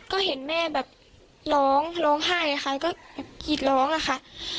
ก็เห็นแม่แบบร้องร้องไห้ค่ะก็กรีดร้องอะค่ะ